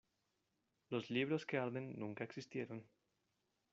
Los libros que arden nunca existieron